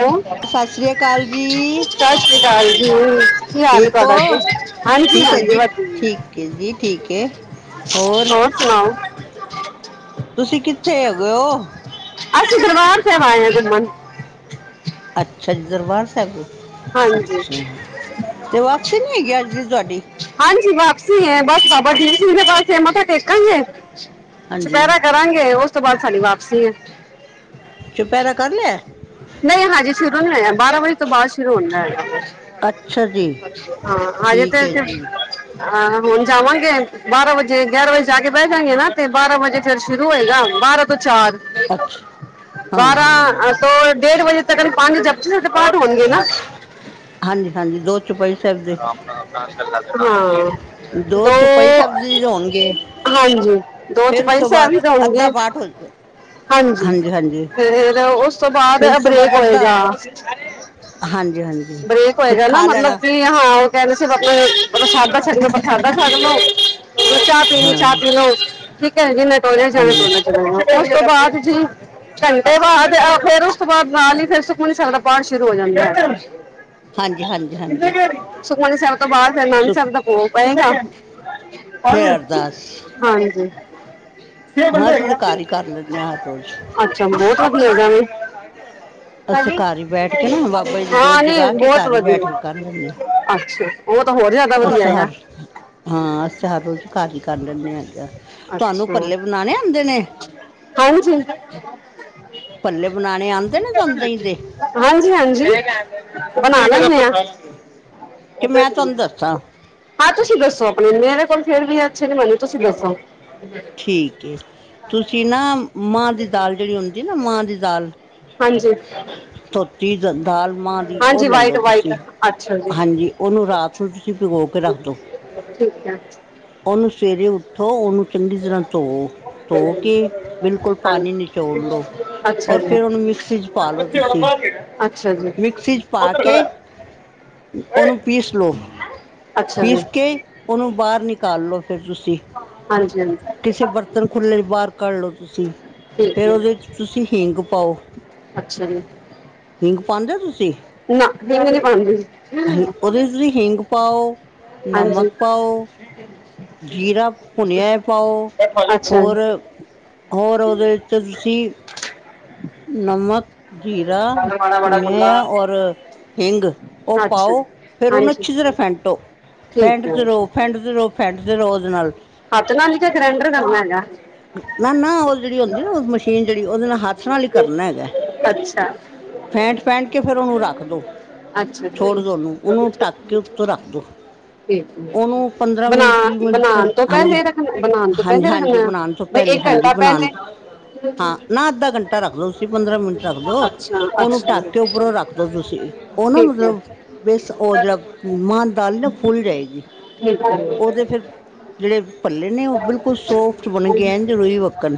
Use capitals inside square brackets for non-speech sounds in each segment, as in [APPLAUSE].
Hello, ਸਾਸ ਸ਼੍ਰੀ ਕਾਲ ਜੀ। [UNINTELLIGIBLE] ਠੀਕ ਤੁਹਾਡਾ ਜੀ ਓ ਹਾਂਜੀ ਠੀਕ ਏ ਹਾਂਜੀ ਜੀ, ਵਧੀਆ ਠੀਕ ਏ ਜੀ ਠੀਕ ਏ ਔਰ ਹੋਰ ਸੁਣਾਓ ਤੁਸੀਂ ਕਿੱਥੇ ਹੋਗੇ ਓ? ਅਸੀਂ ਦਰਬਾਰ ਸਾਹਿਬ ਆਏ ਆ ਕੁੰਮਣ। [INAUDIBLE] ਅੱਛਾ ਜੀ ਦਰਬਾਰ ਸਾਹਿਬ ਔ ਹਾਂਜੀ ਅੱਛਾ ਤੇ ਵਾਪਸੀ ਨੀ ਹੈਗੀ ਅੱਜ ਦੀ ਤੁਆਡੀ। ਹਾਂਜੀ ਵਾਪਸੀ ਹੈ ਬਸ ਬਾਬਾ ਦੀਪ ਸਿੰਘ ਦੇ ਪਾਸੇ ਮੱਥਾ ਟੇਕਾਂਗੇ, ਹਾਂਜੀ ਚੁਪਹਿਰਾ ਕਰਾਂਗੇ, ਉਸ ਤੋਂ ਬਾਅਦ ਸਾਡੀ ਵਾਪਸੀ ਆ। ਚੁਪਹਿਰਾ ਕਰ ਲਿਆ। ਨਹੀਂ ਹਾਂਜੀ ਸ਼ੁਰੂ ਨੀ ਹੋਇਆ ਬਾਰਾਂ ਵਜੇ ਤੋਂ ਬਾਅਦ ਸ਼ੁਰੂ ਹੁੰਦਾ ਹੈਗਾ। ਅੱਛਾ ਜੀ ਅੱਛਾ ਹਾਂ ਅਜੇ ਠੀਕ ਤੇ ਹੈ ਜੀ ਹਾਂ ਹੁਣ ਜਾਵਾਂਗੇ ਬਾਰਾਂ ਵਜੇ ਗਿਆਰਾਂ ਵਜੇ ਜਾ ਕੇ ਬਹਿ ਜਾਗੇ ਨਾ ਤੇ ਬਾਰਾਂ ਵਜੇ ਫੇਰ ਸ਼ੁਰੂ ਹੋਏਗਾ ਬਾਰਾਂ ਤੋਂ ਚਾਰ ਅੱਛਾ ਹਾਂ ਬਾਰਾਂ ਹਾਂ ਦੋ ਡੇਢ ਵਜੇ ਤੱਕ ਪੰਜ ਜਪ ਸੁਖਮਨੀ ਸਾਹਿਬ ਦੇ ਹੋਣਗੇ ਨਾ ਹਾਂਜੀ ਹਾਂਜੀ ਦੋ ਚੁਪਈ ਸਾਹਿਬ ਦੇ ਰਾਮ ਰਾਮ ਹਮ ਦੋ ਚੋਪਈ ਸਾਹਿਬ ਜੀ ਹੋਣਗੇ। ਹਾਂਜੀ ਦੋ ਫਿਰ ਉਸ ਚੋਪਈ ਤੋਂ ਸਹਿਬ ਬਾਅਦ ਵੀ ਕਰੂਗੀ। ਅੱਧਾ ਪਾਠ ਹੋ ਹਾਂਜੀ, ਫੇਰ ਉਸ ਤੋਂ ਬਾਅਦ' ਫਿਰ ਉਸ ਤੋਂ ਬ੍ਰੇਕ ਬਾਅਦ ਅੱਧਾ ਹੋਏਗਾ, ਹਾਂਜੀ ਹਾਂਜੀ ਬ੍ਰੇਕ ਕੁਛ ਹੋਏਗਾ ਨਾ ਖਾ ਮਤਲਬ ਲੈਣਾ ਕੀ ਹਾਂ ਉਹ ਕਹਿੰਦੇ ਸੀ ਮਤਲੱਬ ਪ੍ਰਸ਼ਾਦਾ ਛਕਣਾ ਪ੍ਰਸ਼ਾਦਾ ਛਕ ਲਓ। ਹਾਂ ਚਾਹ ਪੀ ਲਓ ਠੀਕ ਹੈ ਜਿਹਨੇ ਕਾਲਜ ਜਾਣਾ ਹਾਂਜੀ ਕਾਲਜ ਚਲ ਜਾਓ ਉਸ ਤੋਂ ਬਾਅਦ ਜੀੰ ਉਹ ਬਾਅਦ ਨਾਲ ਹੀ ਫੇਰ ਉਸ ਤੋਂ ਬਾਅਦ ਨਾਲ ਹੀ ਫੇਰ ਸੁਖਮਨੀ ਦਾ ਪਾਠ ਸ਼ੁਰੂ ਹੋ ਜਾਂਦਾ। ਹਾਂਜੀ ਹਾਂਜੀ ਹਾਂਜੀ ਸੁਖਮਨੀ ਸਾਹਿਬ ਦੇ ਬਾਅਦ ਫੇਰ ਅਨੰਦ ਸੁ ਸਾਹਿਬ ਦਾ ਭੋਗ ਪਏਗਾ। ਪੰਜ ਫੇਰ ਅਰਦਾਸ, ਹਾਂਜੀ! ਛੇ ਹਾਂ ਬੰਦੇ ਅਸੀਂ ਹੈਗੇ ਤਾਂ ਆ। ਕਰ ਲੈਨੇ ਹਾਂ ਹਰ ਰੋਜ਼। ਅੱਛਾ ਬਹੁਤ ਵਾਰ ਮਿਲ ਜਾਣਾ ਅਸੀਂ ਹਾਂਜੀ ਘਰ ਹੀ ਬੈਠ ਕੇ ਨਾ ਬਾਬਾ ਜੀ ਦੀ ਜੋਤ ਹਾਂ ਨੀ ਜਗਾ ਕੇ ਬਹੁਤ ਘਰ ਹੀ ਵਧੀਆ ਬੈਠ ਕੇ ਕਰ ਬਹੁਤ ਵਧੀਆ ਅੱਛਾ ਉਹ ਤਾਂ ਹੋ ਚਲ ਅਸਾਂ ਹਰ ਹਾਂ, ਅਸਾਂ ਹਰ ਰੋਜ਼ ਘਰ ਹੀ ਕਰ ਲੈਂਨੇ ਆ ਤੁਹਾਨੂੰ ਭੱਲੇ ਬਨਾਣੇ ਆਂਦੇ ਨੇ? ਆਓ ਜੇ ਭੱਲੇ ਬਣਾਣੇ ਆਂਦੇ ਨੇ ਤੁਹਾਨੂੰ, ਦਹੀਂ ਦੇ? ਹਾਂਜੀ - ਹਾਂਜੀ, ਬਣਾ ਲੈਨੇਂ ਆ। ਕਿ ਮੈਂ ਤੁਹਾਨੂੰ ਦੱਸਾਂ ਹਾਂ ਤੁਸੀਂ ਦੱਸੋ, ਆਪਣੇ ਮੇਰੇ ਕੋਲੋ ਫੇਰ ਵੀ ਅੱਛੀ ਨੀ ਬਨੀ। ਤੁਸੀਂ ਦੱਸੋ। ਠੀਕ ਏ, ਤੁਸੀਂ ਨਾਂ ਮਾਂਹ ਦੀ ਦਾਲ ਜਿਹੜੀ ਹੁੰਦੀ ਏ ਨਾ, ਮਾਂਹ ਦੀ ਦਾਲ। ਹਾਂ ਜੀ। ਧੋਤੀ ਦਾਲ, ਮਾਂਹ ਦੀ ਔਹ ਲੈ ਵਾਈਟ ਲੳ ਵਾਈਟ ਤੁਸੀਂ। ਅੱਛਾ ਹਾਂ ਜੀ, ਉਹਨੂੰ ਰਾਤ ਨੂੰ ਤੁਸੀਂ ਭਿਗੋ ਕੇ ਰੱਖ ਦੋ। ਠੀਕ ਐ। ਉਹਨੂੰ ਸਵੇਰੇ ਉੱਠੋ, ਉਹਨੂੰ ਚੰਗੀ ਤਰ੍ਹਾਂ ਧੋਵੋ। ਧੋ ਕੇ ਬਿਲਕੁਲ ਪਾਣੀ ਹਾਂਜੀ ਨਿਚੋੜ ਲਓ, ਅੱਛਾ ਔਰ ਜੀ ਫਿਰ ਉਹਨੂੰ ਮਿਕਸੀ 'ਚ ਪਾ ਲਓ ਇੱਥੇ ਹੁਣ ਤੁਸੀਂ। ਬਾਹਰ ਹੀ ਹੈ ਅੱਛਾ, ਜੀ। ਮਿਕਸੀ 'ਚ ਪਾ ਉੱਧਰ ਕੇ ਖੜਾ ਹੈ। ਓਏ ਉਹਨੂੰ ਪੀਸ ਲਓ, ਅੱਛਾ ਜੀ ਪੀਸ ਕੇ ਉਹਨੂੰ ਬਾਹਰ ਨਿਕਾਲ ਲੋ ਫਿਰ ਤੁਸੀਂ। ਹਾਂਜੀ -ਹਾਂਜੀ। ਕਿਸੇ ਬਰਤਨ ਖੁੱਲ੍ਹੇ 'ਚ ਬਾਹਰ ਕੱਢ ਲਓ ਤੁਸੀਂ, ਠੀਕ ਫਿਰ ਜੀ ਉਹਦੇ 'ਚ ਤੁਸੀਂ ਹਿੰਗ ਪਾਓ। ਅੱਛਾ, ਜੀ। ਹਿੰਗ ਪਾਂਦੇ ਓ ਤੁਸੀਂ? ਨਾ ਹਿੰਗ ਨਹੀਂ ਪਾਉਂਦੀ ਹਾਂਜੀ, ਉਹਦੇ ਵਿੱਚ ਤੁਸੀ ਹਿੰਗ ਪਾਓ। ਹਾਂਜੀ ਨਮਕ ਪਾਓ। ਜੀਰਾ ਭੁਨਿਆ ਪਾਓ, ਬੈਠਾ ਜੀ ਅੱਛਾ ਜੀ ਹੋਰ? ਹੋਰ, ਉਹਦੇ ਵਿੱਚ ਤੁਸੀਂ [INAUDIBLE] ਨਮਕ, ਜੀਰਾ ਗੱਲ ਮਾੜਾ ਮਾੜਾ ਕੁੱਲਾ ਭੁੰਨਿਆ, ਔਰ ਹਿੰਗ, ਓ ਅੱਛਾ ਪਾਓ ਜੀ ਫਿਰ ਉਹਨੂੰ ਹਾਂਜੀ ਅੱਛੀ ਤਰ੍ਹਾਂ ਫੈਂਟੋ ਠੀਕ ਹੈ ਫੈਂਟਦੇ ਰਹੋ, ਫੈਂਟਦੇ ਰਹੋ, ਫੈਂਟਦੇ ਰਹੋ ਉਹਦੇ ਨਾਲ ਹੱਥ ਨਾਲ ਹੀ ਕਿ ਗ੍ਰੈਂਡਰ ਕਰਨਾ ਹੈਗਾ ਨਾ ਨਾ, ਉਹ ਜਿਹੜੀ ਹੁੰਦੀ ਏ ਮਸ਼ੀਨ, ਜਿਹੜੀ ਉਹਦੇ ਨਾਲ ਹੱਥ ਫਲ ਕਰਨਾ ਹੈਗਾ, ਅੱਛਾ ਫੈਂਟ- ਫੈਂਟ ਕੇ ਫਿਰ ਉਹਨੂੰ ਰੱਖ ਦੋ ਅੱਛਾ ਛੋੜ ਜੀ ਦੋ ਉਹਨੂੰ, ਉਹਨੂੰ ਢੱਕ ਕੇ ਉੱਤੋਂ ਰੱਖਦੋ। ਠੀਕ ਹੈ ਉਹਨੂੰ ਪੰਦਰਾਂ ਬਣਾ ਮਿੰਟ -ਵੀਹ ਮਿੰਟ ਬਣਾਉਣ ਸਿਰਫ ਤੋਂ ਹਾਂਜੀ, ਪਹਿਲੇ ਰੱਖਣਾ ਬਣਾਉਣ ਤੋਂ ਹਾਂਜੀ- ਪਹਿਲੇ ਹਾਂਜੀ, ਰੱਖਣਾ ਬਣਾਉਣ ਤੋਂ ਬਈ ਪਹਿਲੇ। ਹਾਂਜੀ, ਘੰਟਾ ਬਣਾਉਣ ਤੋ ਪਹਿਲੇ ਹਾਂ ਨਾ, ਅੱਧਾ ਘੰਟ ਟਾ ਰੱਖਲੋ ਤੁਸੀਂ, ਪੰਦਰਾਂ ਮਿੰਟ ਰੱਖਦੋ। ਅੱਛਾ ਉਹਨੂੰ ਅੱਛਾ ਢੱਕ ਕੇ ਉੱਪਰੋਂ ਰੱਖਦੋ ਤੁਸੀਂ, ਉਹਨਾਂ ਠੀਕ ਹੈ ਮਤਲਬ ਵਿਸ ਉਹ ਜਿਹੜਾ, ਮਾਂਹ ਦੀ ਦਾਲ ਨਾ ਫੁੱਲ ਜਾਏਗੀ। ਠੀਕ ਏ। ਉਹਦੇ ਫਿਰ ਜਿਹੜੇ ਭੱਲੇ ਨੇ ਉਹ ਬਿਲਕੁਲ ਸੋਫਟ ਬਣ ਗਏ। ਐਂਜ ਰੂਈ ਵੱਕਣ।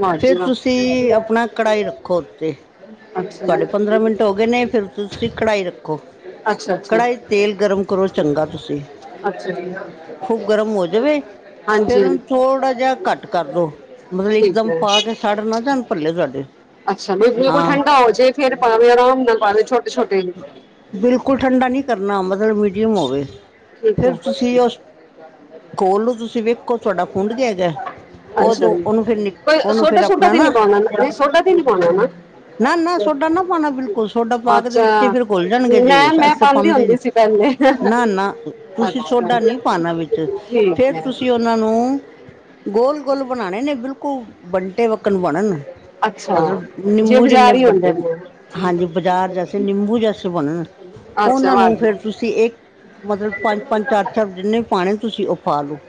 ਵਾਹ ਜੀ ਫਿਰ ਵਾਹ ਤੁਸੀਂ ਆਪਣਾ ਕੜਾਈ ਰੱਖੋ ਉੱਤੇ, ਅੱਛਾ ਤੁਹਾਡੇ ਜੀ। ਪੰਦਰਾਂ ਮਿੰਟ ਹੋ ਗਏ ਨੇ, ਫਿਰ ਤੁਸੀਂ ਕੜਾਈ ਰੱਖੋ। ਅੱਛਾ ਅੱਛਾ ਕੜਾਹੀ 'ਚ ਤੇਲ ਗਰਮ ਕਰੋ, ਚੰਗਾ ਤੁਸੀਂ। ਅੱਛਾ, ਜੀ। ਖੂਬ ਗਰਮ ਹੋ ਜਾਵੇ। ਫਿਰ ਹਾਂਜੀ ਉਹਨੂੰ ਥੋੜ੍ਹਾ ਜਿਹਾ ਘੱਟ ਕਰਦੋ, ਮਤਲਬ ਠੀਕ ਇੱਕਦਮ ਹੈ ਪਾ ਕੇ ਸੜ ਨਾ ਜਾਣ ਭੱਲੇ ਤੁਹਾਡੇ। ਅੱਛਾ, ਫਿਰ ਬਿਲਕੁਲ ਹਾਂ ਠੰਢਾ ਹੋ ਜੇ। ਫੇਰ ਪਾਵੇ, ਆਰਾਮ ਨਾਲ ਪਾਵੇ, ਛੋਟੇ- ਛੋਟੇ ਜੇ ਬਿਲਕੁਲ ਠੰਡਾ ਨੀ ਕਰਨਾ। ਮਤਲਬ ਮੀਡੀਅਮ ਹੋਵੇ। ਠੀਕ ਫਿਰ ਹੈ ਤੁਸੀਂ ਉਸ, ਘੋਲ ਨੂੰ ਤੁਸੀਂ ਵੇਖੋ ਤੁਆਡਾ ਫੁੰਡ ਜਾਏਗੈ। ਅੱਛਾ ਜੀ, ਕੋਈ ਸੋਡਾ -ਸੁਡਾ ਤੇ ਨੀ ਨਾ ਪਾਣਾ ਨਾ, ਸੋਡਾ ਤੇ ਨੀ ਪਾਣਾ ਨਾ? ਨਾ ਨਾ ਸੋਡਾ ਨਾ ਪਾਣਾ ਬਿਲਕੁਲ, ਸੋਡਾ ਪਾ ਕੇ ਵਿੱਚ ਅੱਛਾ ਫੇਰ ਖੁੱਲ ਜਾਣਗੇ ਜੇ ਮੈਂ ਮੈਂ ਅਸੀਂ ਪਾਉਂਦੀ ਪਾਦੇ ਹੁੰਦੀ ਨੀ। ਸੀ ਪਹਿਲੇ ਨਾ ਨਾ ਤੁਸੀਂ ਅੱਛਾ ਸੋਡਾ ਨਹੀਂ ਪਾਣਾ ਵਿੱਚ ਠੀਕ ਫੇਰ ਹੈ ਤੁਸੀਂ ਤੇ ਉਨਾਂ ਨੂੰ ਗੋਲ- ਗੋਲ ਬਣਾਉਣੇ ਨੇ ਬਿਲਕੁਲ ਬੰਨਟ ਟੇ ਵੱਕਣ ਬਣਨ ਅੱਛਾ ਮਤਲਬ ਜੇ ਨਿੰਬੂ ਜਿੰਨੇ ਬਾਜ਼ਾਰ ਹੀ ਹੁੰਦੇ ਵੱਡੇ ਨੇ ਹਾਂਜੀ ਬਾਜ਼ਾਰ ਜਾ ਨਿੰਬੂ ਜੈਸੇ ਬਣਨ, ਅੱਛਾ ਉਹਨਾਂ ਨੂੰ ਫੇਰ ਵਾਧੂ ਤੁਸੀਂ ਇਹ ਮਤਲਬ ਪੰਜ- ਪੰਜ ਚਾਰ- ਚਾਰ ਜਿੰਨੇ ਪਾਣੇ ਤੁਸੀਂ ਉਹ ਪਾ ਲੋ।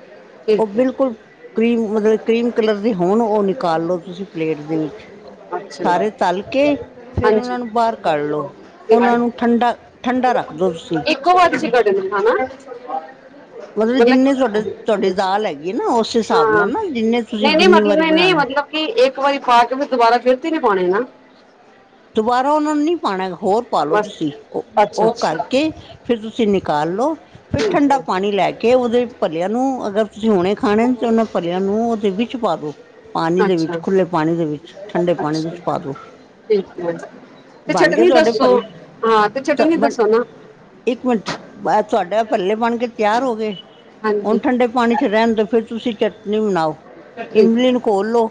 ਉਹ ਠੀਕ ਹੈ ਬਿਲਕੁਲ ਕਰੀਮ ਮਤਲਬ ਕਈ ਕਰੀਮ ਕਲਰ ਦੇ ਹੋਣ ਉਹ ਨਿਕਾਲ ਲੋ ਤੁਸੀਂ ਪਲੇਟ ਦੇ ਵਿੱਚ ਅੱਛਾ ਜੀ ਸਾਰੇ ਤਲ ਕੇ ਫਿਰ ਉਹਨਾ ਹਾਂਜੀ ਨੂੰ ਬਾਹਰ ਕੱਢ ਲੋ। ਉਹਨਾਂ ਨੂੰ ਠੰਡਾ -ਠੰਡਾ ਰੱਖ ਦਿਉ ਤੁਸੀਂ ਹੋਮ ਵਰਕਸ ਤੁਸੀ ਕਰ ਰਹੇ ਹੋ ਉਹਨਾਂ ਦਾ? ਮਤਲਬ ਜਿੰਨੇ ਤੁਹਾਡੇ ਤੁਹਾਡੀ ਦਾਲ ਹੈਗੀ ਹੈ ਨਾ ਉਸ ਹਿਸਾਬ ਹਾਂ ਨਾਲ ਨਾ ਜਿੰਨੇ ਤੁਸੀਂ ਜਿੰਨੀ ਵਾਰੀ ਬਣਾਉਣੇ। ਕੀ ਇੱਕ ਵਾਰੀ ਪਾਕੇ ਵੀ ਦੁਬਾਰਾ ਫਿਰਤੀ ਤੇ ਨੀ ਪਾਉਣੇ ਨਾ। ਦੁਬਾਰਾ ਉਹਨਾਂ ਨੂੰ ਨਹੀਂ ਪਾਉਣਾ ਹੋਰ ਪਾਾਲੋ ਬਸ ਤੁਸੀਂ ਅੱਛਾ ਉਹ ਅੱਛਾ ਕਰਕੇ ਫਿਰ ਤੁਸੀਂ ਨਿਕਾਲ ਲਓ ਫਿਰ ਠੀਕ ਠੰਡਾ ਹੈ ਪਾਣੀ ਲੈ ਕੇ ਉਹਦੇ ਭਲਿਆਂ ਨੂੰ ਅਗਰ ਤੁਸੀਂ ਹੁਣੇ,,, ਖਾਣੇ ਤੇ ਉਹਨਾਂ ਭਲਿਆਂ ਨੂੰ ਉਹਦੇ ਵਿੱਚ ਪਾ ਦੋ। ਪਾਣੀ ਦੇ ਵਿੱਚ ਅੱਛਾ ਖੁੱਲੇ ਪਾਣੀ ਦੇ ਵਿੱਚ ਠੰਡੇ ਪਾਣੀ ਦੇ ਵਿੱਚ ਪਾ ਦੋ। ਏਕ ਮਿੰਟ ਤੇ, ਚਟਨੀ ਤੁਹਾਡੇ ਦੱਸੋ ਭੱਲੇ ਹਾਂ, ਤੇ ਤਾਂ ਚਟਨੀ ਬਣ ਦੱਸੋ ਨਾ ਇੱਕ ਮਿੰਟ, ਤੁਹਾਡਾ ਭਲੇ ਬਣ ਕੇ ਤਿਆਰ ਹੋ ਗਏ, ਹੁਣ ਹਾਂਜੀ ਠੰਡੇ ਪਾਣੀ ਇੱਥੇ ਰਹਿਣ ਤੋਂ, ਫਿਰ ਤੁਸੀਂ ਚਟਨੀ ਬਣਾਓ ਠੀਕ ਇਮਲੀ ਹੈ ਨੂੰ ਘੋਲ ਲੋੋ,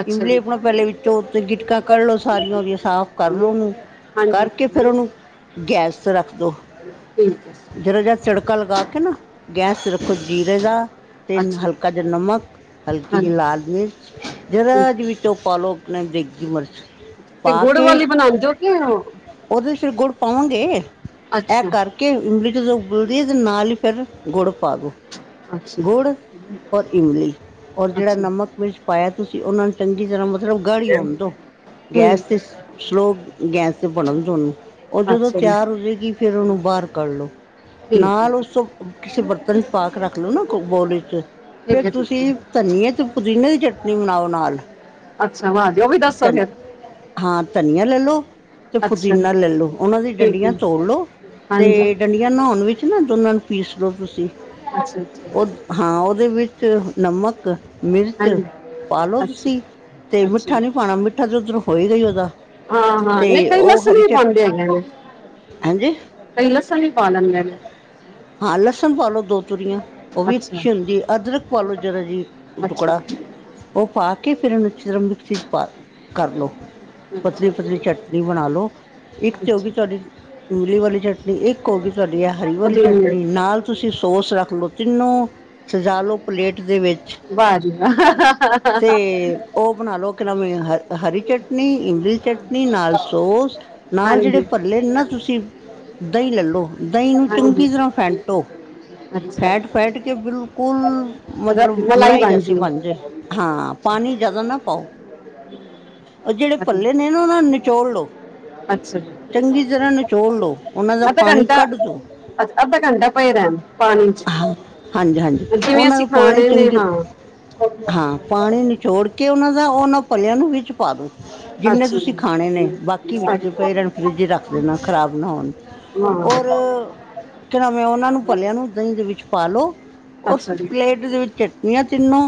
ਅੱਛਾ ਇਮਲੀ ਜੀ ਆਪਣਾ, ਪਹਿਲੇ ਵਿੱਚੋਂ ਤੇ ਗਿਟਕਾਂ ਕੱਢ ਲੋ ਸਾਰੀਆਂ ਉਹਦੀਆਂ ਸਾਫ਼ ਕਰ ਲੋ, ਕਰਕੇ ਉਹਨੂੰ ਹਾਂਜੀ ਕਰਕੇ ਫਿਰ, ਉਹਨੂੰ ਗੈਸ ਤੇ ਰੱਖ ਦੋ। ਠੀਕ ਏ। ਜਰਾ ਜਿਹਾ, ਤੜਕਾ ਲਗਾ ਕੇ, ਨਾ ਗੈਸ ਜੀਰੇ ਦਾ, ਤਿੰਨ ਅੱਛਾ ਜੀ ਹਲਕਾ ਜਿਹਾ, ਨਮਕ ਹਲਕੀ ਹਾਂਜੀ ਜਿਹੀ ਲਾਲ ਮਿਰਚ ਠੀਕ ਜਰਾ ਜੀ ਹੈ ਵੀਚੋ, ਪਾਲੋ ਦੇਗੀ ਮਿਰਚ। ਤੇ ਪਾ ਗੁੜ ਕੇ, ਵਾਲੀ ਬਣਾਉਂਦੇ ਹੋ ਕਿ ਉਹ- ਉਹਦੇ ਚ ਫਿਰ, ਗੁੜ ਪਾਉਗੇ, ਇਹ ਅੱਛਾ ਕਰਕੇ ਕਿ ਇਮਲੀ, ਜਦੋਂ ਉਬੁਲਦੀਏ, ਤੇ ਨਾਲ ਹੀ ਫਿਰ ਗੁੜ ਪਾ ਦਿਉ। ਅੱਛਾ ਗੁੜ ਔਰ ਇਮਲੀ, ਔਰ ਜਿਹੜਾ ਅੱਛਾ ਨਮਕ ਮਿਰਚ, ਪਾਇਆ, ਤੁਸੀਂ ਉਹਨਾਂ ਨੂੰ ਚੰਗੀ ਤਰ੍ਹਾਂ ਮਤਲਬ ਗਾੜ੍ਹੀ ਹੋਣ ਦੋ। [INAUDIBLE] ਹੂੰ ਗੈਸ ਤੇ ਸਲੋ, ਗੈਸ ਤੇ ਬਣਨ ਦੋ ਓਹਨੂੰ, ਉਹ ਜਦੋਂ ਅੱਛਾ ਜੀ ਤਿਆਰ ਹੋ ਜਾਏਗੀ। ਫਿਰ, ਉਹਨੂੰ ਬਾਹਰ ਕੱਢ ਲੋ, ਠੀਕ ਹੈ ਨਾਲ ਉਸ ਜੀ। ਤੋਂ ਕਿਸੇ ਬਰਤਨ ਵਿੱਚ ਪਾਕ ਰੱਖ। ਬੌਲ ਚ, ਫੇਰ, ਠੀਕ ਹੈ ਠੀਕ ਹੈ ਤੁਸੀਂ ਧਨੀਏ ਤੇ ਪੁਦੀਨੇ, ਦੀ ਚਟਨੀ ਬਣਾਓ ਨਾਲ ਅੱਛਾ, ਵਾ ਜੀ, ਉਹ ਵੀ ਦੱਸੋ ਧਨ ਫਿਰ। ਹਾਂ, ਧਨੀਆ ਲੈਲੋ। ਤੇ ਅੱਛਾ ਜੀ ਪੁਦੀਨਾ ਲੈਲੋ, ਉਹਨਾਂ ਦੀ ਠੀਕ ਡੰਡੀਆਂ, ਹੈ ਤੋੜ ਲੋ ਤੇ ਹਾਂਜੀ ਡੰਡੀ। ਨਹਾਉਣ ਵਿੱਚ ਨਾ, ਦੋਨਾਂ ਨੂੰ ਪੀਸ ਲੋ ਤੁਸੀਂ ਅੱਛਾ। ਅੱਛਾ ਉਹ ਹਾਂ, ਉਹਦੇ ਵਿੱਚ ਨਮਕ, ਮਿਰਚ ਹਾਂਜੀ ਪਾਲੋ, ਅੱਛਾ ਤੁਸੀਂ। ਤੇ ਅੱਛਾ ਮਿੱਠਾ ਜੀ। ਨੀ ਪਾਉਣਾ, ਮਿੱਠਾ ਤੇ ਉਧਰੋਂ ਹੋਈਗਾ ਹੀ ਉਦਾ। ਹਾਂ -ਹਾਂ, ਨਹੀਂ ਕਈ ਲਸਣ ਵੀ ਪਾਉਂਦੇ ਹੁੰਦੇ ਨੇ ਹਾਂਜੀ ਕਈ, ਲਸਨ ਵੀ ਪਾ ਲੈਂਦੇ ਨੇ। ਹਾਂ, ਲਸਣ ਪਾਲੋ ਦੋ ਤੁਲੀਆਂ। ਉਹਵੀ, ਅੱਛਾ ਛੀਲ ਦੀ ਅਦਰਕ ਪਾਲੋ, ਜਰਾ ਜੀ ਅੱਛਾ ਟੁਕੜਾ। ਜੀ। ਉਹ ਪਾ ਕੇ, ਫਿਰ ਇਹਨੂੰ ਅਛੀ ਤਰ੍ਹਾਂ, ਮਿਕਸੀ ਪਾਕੇ ਕਰ ਲਉ। ਪਤਲੀ ਅੱਛਾ -ਪਤਲੀ ਚਟਨੀ ਬਣਾ ਲੋ। ਇੱਕ ਤੇ ਹੋਗੀ, ਅੱਛਾ ਤੁਹਾਡੀ ਮੂਲ਼ੀ ਵਾਲੀ ਚਟਨੀ ਇੱਕ ਹੋਗੀ ਤੁਹਾਡੀ ਹਰੀ ਵਾਲੀ ਪੁਦੀਨੇ ਚਟਨੀ ਨਾਲ ਤੁਸੀਂ ਸੋਸ ਰੱਖ ਲਓ, ਤਿੰਨੋਂ ਸਜਾ ਲਓ ਪਲੇਟ ਦੇ ਵਿੱਚ। ਵਾਹ ਜੀ ਵਾਹ। ਤੇ ਉਹ ਬਣਾ ਲੋ, ਕਿ ਨਾਮ ਅ ਹਰੀ ਚਟਨੀ, ਇਮਲੀ ਚਟਨੀ ਨਾਲ ਸੋਸ ਨਾਲ ਹਾਂਜੀ ਜਿਹੜੇ ਭੱਲੇ ਨਾ, ਤੁਸੀਂ ਦਹੀਂ ਲੈਲੋ ਦਹੀਂ ਨੂੰ ਹਾਂਜੀ ਚੰਗੀ ਤਰ੍ਹਾਂ ਫੈਂਟੋ। ਅੱਛਾ ਫੈਟ -ਫੈਟ ਕੇ ਬਿਲਕੁਲ। ਰ ਮਤਲਬ, ਮਲਾਈ ਜੈਸੀ ਭਾਂਜੀ ਬਣ ਜੇ, ਹਾਂ! ਪਾਣੀ ਜਿਆਦਾ ਨਾ ਪਾਓ। ਉਹ ਜਿਹੜੇ ਭੱਲੇ ਨੇ, ਨਾ ਉਹਨਾਂ ਨੂੰ ਨਿਚੋੜ ਲੋ। ਅੱਛਾ ਜੀ। ਚੰਗੀ ਤਰ੍ਹਾਂ, ਨਚੋਲ ਲਉ, ਉਹਨਾਂ ਦਾ ਅੱਧਾ ਪਾਣੀ ਘੰਟਾ ਕੱਢ ਦੋ। ਅੱਛਾ, ਅੱਧਾ ਘੰਟਾ ਪਏ ਰਹਿਣ ਪਾਣੀ। ਚ ਹਾਂਜੀ -ਹਾਂਜੀ, ਜਿਵੇਂ ਉਹਨਾਂ ਅਸੀਂ ਨੂੰ ਪਾਣੀ ਖਾਣੇ ਨੇ ਚੰਗੇ। ਹਾਂ ਹਾਂ, ਪਾਣੀ ਨਿਚੋੜ ਕੇ ਉਹਨਾ ਦਾ ਉਹਨਾਂ ਭਲੇਆਂ ਨੂੰ ਵਿੱਚ ਪਾ ਦੋ। ਜਿੰਨੇ, ਅੱਛਾ ਤੁਸੀਂ ਜੀ ਖਾਣੇ ਨੇ, ਬਾਕੀ ਵਿੱਚ ਅੱਛਾ। ਪਏ ਰੈਣ, ਫਰਿੱਜ ਵਿਚ ਰੱਖ ਦੇਣਾ, ਖ਼ਰਾਬ ਨਾ ਹੋਣ। ਵਾਹ ਔਰ, ਕਿ ਨਾਮ ਏ, ਉਹਨਾ ਨੂੰ ਭਲੇਆਂ ਨੂੰ। ਦਹੀਂ ਦੇ ਵਿੱਚ ਪਾਲੋ, ਉਸ ਅੱਛਾ ਜੀ ਪਲੇਟ ਦੇ ਵਿੱਚ ਚਟਨੀਆਂ ਤਿੰਨੋ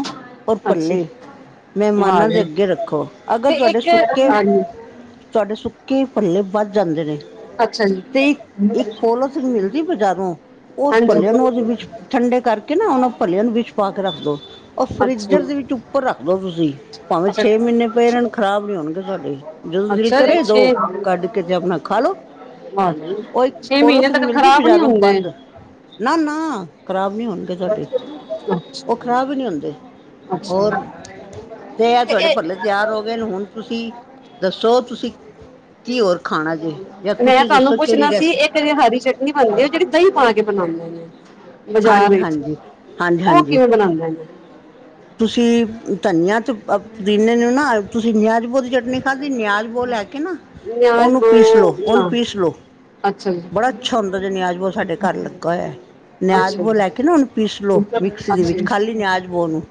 ਔ ਅੱਛਾ ਭਲੀ ਵਾਹ ਮਹਿਮਾਨਾਂ ਦੇ ਜੀ ਅੱਗੇ ਰੱਖੋ ਅਗਰ ਤੇ ਤੁਹਾਡੇ ਇੱਕ ਸੁੱਕੇ ਹਾਂਜੀ ਤੁਹਾਡੇ ਸੁੱਕੇ ਈ ਪੱਲੇ ਬਚ ਜਾਂਦੇ ਨੇ ਅੱਛਾ ਜੀ ਤੇ ਇੱਕ ਇੱਕ ਪੋਲੋਥਿਨ ਮਿਲਦੀ ਬਜ਼ਾਰੋਂ ਉਸ ਹਾਂਜੀ ਭੱਲਿਆਂ ਨੂੰ ਉਹਦੇ ਵਿੱਚ ਠੰਡੇ ਕਰਕੇ ਨਾ ਉਹਨਾਂ ਭਲਿਆਂ ਨੂੰ ਵਿੱਚ ਪਾ ਕੇ ਰੱਖ ਲੋ ਉਹ ਅੱਛਾ ਫਰਿਜਰ ਦੇ ਵਿੱਚ ਉੱਪਰ ਰੱਖਦੋ ਤੁਸੀਂ ਭਾਵੇਂ ਛੇ ਅੱਛਾ ਮੀ ਨੇ ਪਏ ਰਹਿਨ ਖਰਾਬ ਨਹੀਂ ਹੋਣਗੇ ਸਾਡੇ ਜਦੋਂ ਦਿਲ ਅੱਛਾ ਜੀ ਕਰੇ ਦੋ ਛੇ ਕੱਢ ਕੇ ਤੇ ਆਪਣਾ ਖਾ ਲੋੋ ਵਾਹ ਜੀ ੳ‌ਹ ‌ਇਕ ਛੇ ਮਹੀਨੇ ਫਲੋਰੋਸਿੰਨ ਤੱਕ ਮਿਲਦੀ ਖਰਾਬ ਨਹੀਂ ਬਜ਼ਾਰੋਂ ਹੁੰਦੇ ਬੰਦ ਨਾ ਨਾ ਖ਼ਰਾਬ ਨਹੀਂ ਹੋਣਗੇ ਤੁਹਾਡੇ ਉਹ ਅੱਛਾ ਖ਼ਰਾਬ ਹੀ ਨਹੀਂ ਹੁੰਦੇ ਹੋਰ ਅੱਛਾ ਤੇ ਆ ਤੁਹਾਡੇ ਭਲੇ ਤਿਆਰ ਹੋ ਗਏ ਨੇ ਹੁਣ ਤੁਸੀਂ ਦੱਸੋ ਤੁਸੀਂ ਕੀ ਹੋਰ ਖਾਣਾ ਜੇ ਜਾਂ ਮੈਂ ਤੁਸੀਂ ਤੁਹਾਨੂੰ ਦੱਸੋ ਕਿਹੜੀ ਪੁੱਛਣਾ ਰੈਸ [UNINTELLIGIBLE] ਹਰੀ ਚਟਨੀ ਬਣਦੀ ਜਿਹੜੀ ਦਹੀਂ ਪਾ ਕੇ ਬਣਾਂਦੇ ਨੇ ਬਾਜ਼ਾਰ ਹਾਂਜੀ ਚ ਹਾਂਜੀ ਹਾਂਜੀ ਉਹ ਹਾਂਜੀ ਕਿਵੇਂ ਬਣਾਂਦੇ ਨੇ ਤੁਸੀਂ ਧਨੀਆ ਤੇ ਅ ਪੁਦੀਨੇ ਨੂੰ ਨਾ ਤੁਸੀਂ ਨਿਆਜ਼ ਬੋਤ ਚਟਨੀ ਖਾਧੀ ਨਿਆਜ਼ ਬੋ ਲੈ ਕੇ ਨਾ ਉਹ ਨਿਆਜ਼ ਨੂੰ ਪੀਸ ਲੋੋ ਉਹ ਨੂੰ ਨਾ ਪੀਸ ਲੋੋ ਅੱਛਾ ਜੀ ਬੜਾ ਅੱਛਾ ਹੁੰਦਾ ਜੇ ਨੀਆਜ ਭੋਜ ਸਾਡੇ ਘਰ ਲੱਗਾ ਹੋਇਆ ਨਿਆਜ਼ ਅੱਛਾ ਬੋ ਜੀ ਲੈ ਕੇ ਨਾ ਉਹਨੂੰ ਪੀਸਲੋ ਮਿਕਸੀ ਦੇ ਅੱਛਾ ਵਿੱਚ ਜੀ। ਖਾਲੀ ਨਿਆਜ ਬੋ ਨੂੰ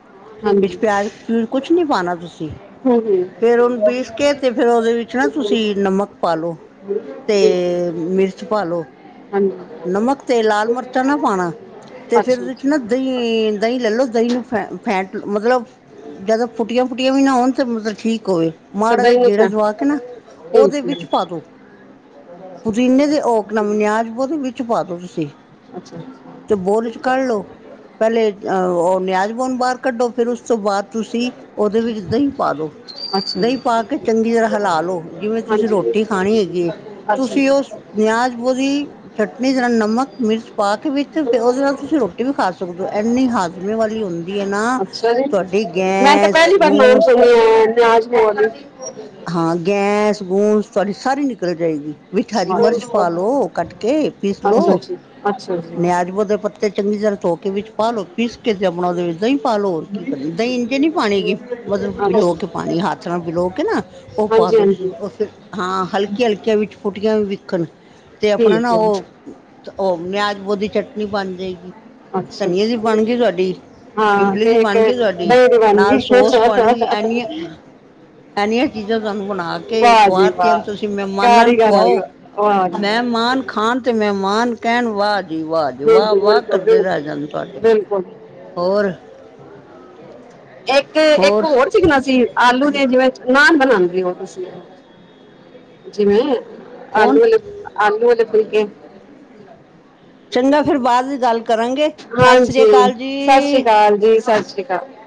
ਵਿੱਚ ਹਾਂਜੀ ਪਿਆਜ ਪ ਕੁਛ ਨੀ ਪਾਉਣਾ ਤੁਸੀਂ ਹਮ ਹਮ ਫੇਰ ਉਹਨੂੰ ਪੀਸ ਕੇ ਤੇ ਫੇਰ ਉਹਦੇ ਵਿੱਚ ਨਾ ਤੁਸੀਂ ਨਮਕ ਪਾਲੋ ਤੇ ਮਿਰਚ ਪਾਲੋ ਹਾਂ ਨਮਕ ਤੇ ਲਾਲ ਮਿਰਚਾਂ ਨਾ ਪਾਣਾ ਤੇ ਅੱਛਾ ਫੇਰ ਅੱਛਾ ਉਦੇ ਚ ਨਾ ਦਹੀਂ ਦਹੀਂ ਲੈ ਲੋ ਦਈ ਨੂੰ ਫੈ ਫੈਟ ਮਤਲਬ ਜਅਦਾ ਫੁੱਟੀਆਂ ਫੁੱਟੀਆਂ ਵੀ ਨਾ ਹੋਣ ਤੇ ਮਤ ਠੀਕ ਹੋਵੇ ਅੱਛਾ ਮਾੜਾ ਜਿਹਾ ਦਹੀਂ ਨੂੰ ਗੇੜਾ ਫੈ ਦਵਾ ਕੇ ਨਾ ਉਹਦੇ ਠੀਕ ਵਿੱਚ ਹੈ ਪਾ ਦੋ ਪੁਤੀਨੇ ਦੇ ਔਕ ਨਿਆਜ਼ ਬਹੁ ਦੇ ਵਿੱਚ ਪਾਦੋ ਤੁਸੀਂ ਅੱਛਾ ਤੇ ਬੋਲ ਚ ਕੱਢ ਲਓ ਪਹਿਲੇ ਅ ਉਹ ਨਿਆਜ਼ ਨੂੰ ਬਾਹਰ ਕੱਢੋ ਫਿਰ ਉਸ ਤੋਂ ਬਾਅਦ ਤੁਸੀਂ ਉਹਦੇ ਵਿੱਚ ਦਹੀਂ ਪਾ ਦੋ ਅੱਛਾ ਦਹੀਂ ਜੀ ਪਾ ਕਿ ਚੰਗੀ ਤਰ੍ਹਾਂ ਹਲਾ ਲੋ ਜਿਵੇਂ ਤੁਸੀਂ ਹਾਂਜੀ ਰੋਟੀ ਖਾਣੀ ਹੈਗੀ ਏ ਅੱਛਾ ਤੁਸੀਂ ਜੀ ਉਸ ਨਿਆਜ਼ ਪੂਦੀ ਚਟਨੀ ਜ ਨਾਲ ਨਮਕ ਮਿਰਚ ਪਾ ਕੇ ਵਿੱਚ ਉਹਦੇ ਨਾਲ ਤੁਸੀਂ ਰੋ ਟੀ ਵੀ ਖਾ ਸਕਦੇ ਹੋ ਇੰਨੀ ਹਾਜ਼ਮੇ ਵਾਲੀ ਹੁੰ ਦੀ ਐ ਨਾ ਅੱਛਾ ਜੀ ਤੁਹਾਡੀ ਮੈਂ ਤਾਂ ਗੈਸ ਪਹਿਲੀ ਵਾਰ ਨਾਮ ਗੂੰ ਸੁਣਿਆ ਹੈ [UNINTELLIGIBLE] ਨਿਆਜ਼ ਮੌਲੀ ਹਾਂ ਗੈਸ ਗੂੰਸ ਤੁਹਾਡੀ ਸਾਰੀ ਨਿਕਲ ਜਾਏਗੀ ਵਿਥ ਹਰੀ ਮਰਚ ਪਾ ਲਓ ਕੱਟ ਕੇ ਪੀਸ ਲੋ ਅੱਛਾ ਜੀ ਅੱਛਾ ਜੀ ਨਿਆਜ ਬੋ ਦੇ ਪੱਤੇ ਚੰਗੀ ਤਰ੍ਹਾਂ ਧੋਕੇ ਵਿੱਚ ਪਾ ਲੋ ਪੀਸ ਕੇ ਤੇ ਆਪਣਾ ਉਹਦੇ ਵਿੱਚ ਦਹੀਂ ਪਾ ਲੋ [UNINTELLIGIBLE] ਕੀ ਦਹੀਂ ਇੰਝ ਨੀ ਪਾਣੀ ਕਿ ਮਤਲਬ ਅੱਛਾ ਵਿਲੋ ਹਾਂਜੀ ਕੇ ਪਾਣੀ ਹੱਥ ਨਾਲ ਬਿਲੋ ਕੇ ਨਾ ਉਹ ਪਾ ਦੋ ਹਾਂਜੀ [UNINTELLIGIBLE] ਹਾਂ ਹਲਕੀ ਹਲਕੀਆਂ ਵਿੱਚ ਫੁਟੀਆਂ ਵੀ ਵੀਖਣ ਤੇ ਆਪਣਾ ਨਾ ਠੀਕ ਹੈ ਉਹ ਉਹ ਮਿਆ ਬੋ ਦੀ ਚਟਨੀ ਬਣ ਜਾਏਗੀ ਅੱਛਾ ਧਨੀਏ ਦੀ ਬਣ ਗੀ ਤੁਹਾਡੀ ਹਾਂ ਇਮਲੀ ਦੀ ਕੇਕ ਬਣ ਗੀ ਤੁਹਾਡੀ ਡੇਰੀ ਬਣ ਨਾਲ ਸੋਸ ਬਣ ਗੀ ਐਨੀ ਗਈ ਐ ਨੀਆਂ ਚੀਜ਼ਾਂ ਤੁਹਾਨੂੰ ਬਣਾ ਕੇ ਵਾਹ ਜੀ ਖੁਆਤੀਆਂ ਨੇ ਵਾਹ ਤੁਸੀਂ ਮਹਿਮਾਨਾਂ ਨੂੰ ਕਾਰੀਗਰ ਆਈ ਖੁਆਓ ਵਾਹ ਜੀ ਮੈਂ ਵਾਹ। ਮਾਨ ਖਾਣ ਤੇ ਮਹਿਮਾਨ ਕਹਿਣ ਵਾਹ ਜੀ ਵਾਹ ਜੀ ਵਾਹ ਬਿਲਕੁਲ ਵਾਹ ਬਿਲਕੁਲ ਬਿਲਕੁਲ, ਕਰਦੇ ਰਹਿ ਜਾਣ ਤੁਹਾਡੇ [UNINTELLIGIBLE] ਹੋਰ ਇੱਕ-ਇੱਕ ਹੋਰ ਸੀਕਨਾ ਸੀਂ ਆਲੂ ਦੇ ਜਿਵੇਂ ਨਾਨ ਬਨਾਂਦੇ ਓਂ ਤੁਸੀਂ। ਜਿਵੇਂ ਕੌਣ ਆਲੂ ਆਲੇ ਆਲੂ ਆਲੇ ਫੁਲਕੇ ਚੰਗਾ ਫਿਰ ਬਾਦ ਚ ਗੱਲ ਕਰਾਂਗੇ। ਸਤਿ ਸ੍ਰੀ ਹਾਂਜੀ ਅਕਾਲ ਸਸ ਰੀ ਜੀ ਕਾਲ ਜੀ ਸਸ ਰੀ ਕਾਲ।